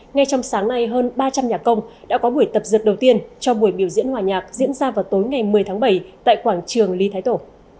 ngay trong sáng nay hơn ba trăm linh nhà công đã có buổi tập dượt đầu tiên cho buổi biểu diễn hòa nhạc diễn ra vào tối ngày một mươi tháng bảy tại quảng trường lý thái tổ